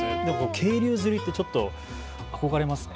渓流釣りってちょっと憧れますね。